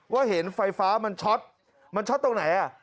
เห็นไฟฟ้ามันช็อตมันช็อตตรงไหน